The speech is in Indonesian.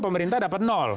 pemerintah dapat nol